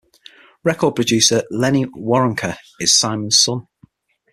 Record producer Lenny Waronker is Simon's son.